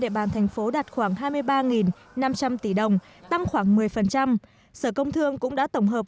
địa bàn thành phố đạt khoảng hai mươi ba năm trăm linh tỷ đồng tăng khoảng một mươi sở công thương cũng đã tổng hợp